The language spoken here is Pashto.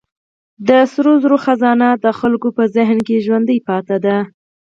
د سرو زرو خزانه د خلکو په ذهن کې ژوندۍ پاتې ده.